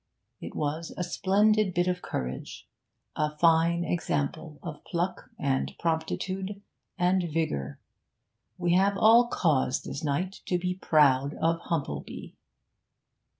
It was a splendid bit of courage, a fine example of pluck and promptitude and vigour. We have all cause this night to be proud of Humplebee.'